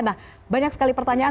nah banyak sekali pertanyaan